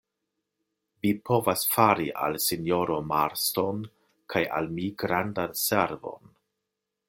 Vi povas fari al sinjoro Marston kaj al mi grandan servon.